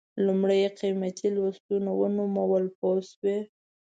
لومړی یې قیمتي لوستونه ونومول پوه شوې!.